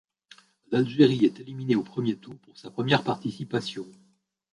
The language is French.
L'Algérie est éliminée au premier tour pour sa première participation.